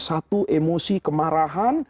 satu emosi kemarahan